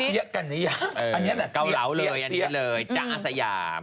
เสียกันอย่าอันนี้แหละเสีย